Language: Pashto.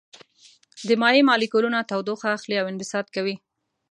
د مایع مالیکولونه تودوخه اخلي او انبساط کوي.